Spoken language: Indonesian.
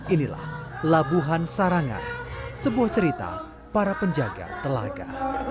inilah labuhan sarangan sebuah cerita para penjaga telaga